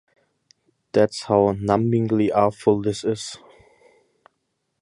That's how numbingly awful this is.